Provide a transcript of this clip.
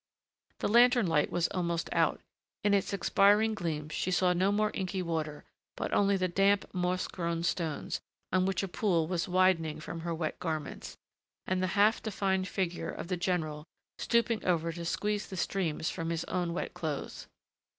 The lantern light was almost out. In its expiring gleams she saw no more inky water, but only the damp, moss grown stones, on which a pool was widening from her wet garments, and the half defined figure of the general stooping over to squeeze the streams from his own wet clothes.